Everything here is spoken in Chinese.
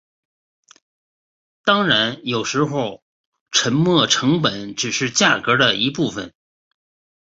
当然有时候沉没成本只是价格的一部分。